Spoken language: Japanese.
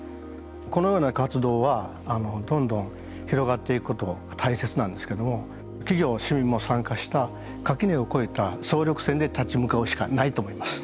このような活動はどんどん広がっていくこと大切なんですけども企業・市民も参加した垣根を越えた総力戦で立ち向かうしかないと思います。